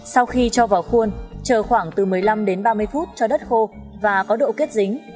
sau khi cho vào khuôn chờ khoảng từ một mươi năm đến ba mươi phút cho đất khô và có độ kết dính